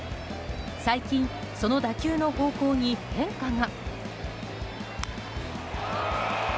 最近、その打球の方向に変化が。